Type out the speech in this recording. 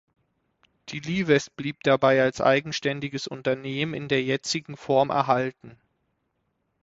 Die Liwest blieb dabei als eigenständiges Unternehmen in der jetzigen Form erhalten.